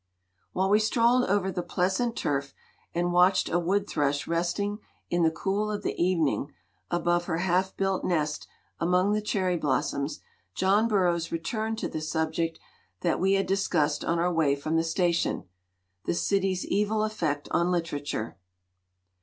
While we strolled over the pleasant turf and 220 CITY LIFE VS. LITERATURE watched a wood thrush resting in the cool of the evening above her half built nest among the cherry blossoms, John Burroughs returned to the subject that we had discussed on our way from the station the city's evil effect on literature.